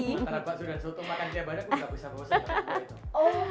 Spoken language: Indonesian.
karena mbak sudah soto makan tiap hari aku gak bisa bawa soto ke rumah itu